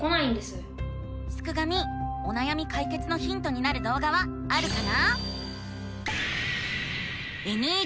すくがミおなやみかいけつのヒントになるどうがはあるかな？